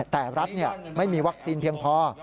แต่รัฐไม่มีวัคซีนเพียงพอ